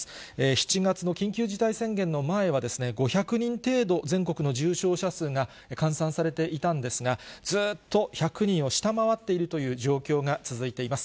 ７月の緊急事態宣言の前は５００人程度、全国の重症者数が換算されていたんですが、ずーっと１００人を下回っているという状況が続いています。